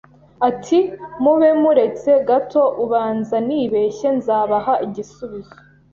Ati mube muretse gato ubanza nibeshye nzabaha igisubizo